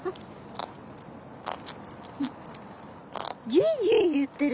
ギュギュ言ってる。